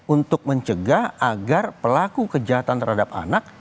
untuk mencegah agar pelaku kejahatan terhadap anak